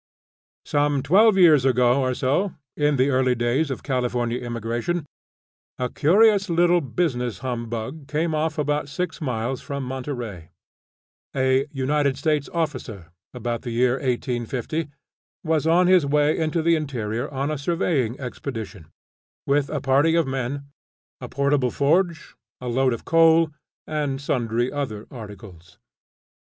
Some twelve years ago or so, in the early days of Californian immigration, a curious little business humbug came off about six miles from Monterey. A United States officer, about the year 1850, was on his way into the interior on a surveying expedition, with a party of men, a portable forge, a load of coal, and sundry other articles.